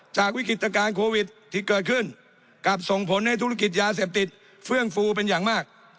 จากวิกฤตการณ์โควิดที่เกิดขึ้นกลับส่งผลให้ธุรกิจยาเสพติดเฟื่องฟูเป็นอย่างมาก